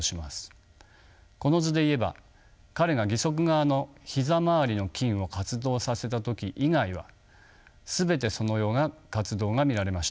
この図で言えば彼が義足側の膝周りの筋を活動させた時以外は全てそのような活動が見られました。